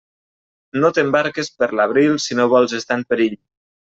No t'embarques per l'abril si no vols estar en perill.